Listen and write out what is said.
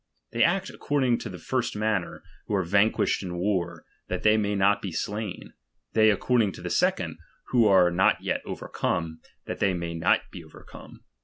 They act according to the first manner, who are vanquished in war, that they may not be slain ; they according to the second, who are not yet overcome, that they may not be overcome.